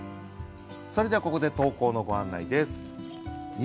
それではここで投稿のご案内です。